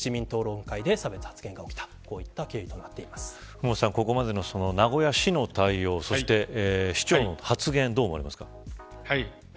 麓さん、ここまでの名古屋市の対応そして市長の発言どう思われますか。